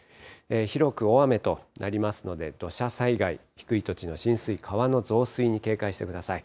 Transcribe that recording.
広く大雨となりますので、土砂災害、低い土地の浸水、川の増水に警戒してください。